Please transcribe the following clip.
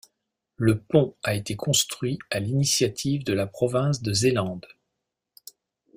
Le pont a été construit à l'initiative de la province de Zélande.